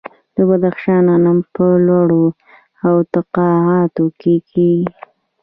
د بدخشان غنم په لوړو ارتفاعاتو کې کیږي.